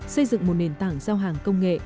xây dựng một nền tảng giao hàng công nghệ